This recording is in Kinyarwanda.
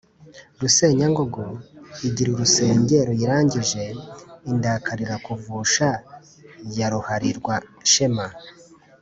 Rusenyangogo igira urusenge ruyirangije. Indakalira kuvusha ya ruhalirwashema